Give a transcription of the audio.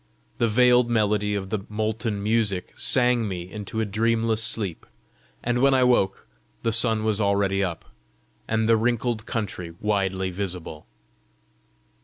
The veiled melody of the molten music sang me into a dreamless sleep, and when I woke the sun was already up, and the wrinkled country widely visible.